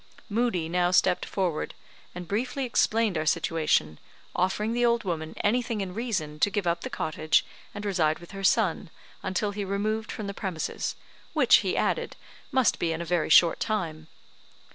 Moodie now stepped forward, and briefly explained our situation, offering the old woman anything in reason to give up the cottage and reside with her son until he removed from the premises; which, he added, must be in a very short time.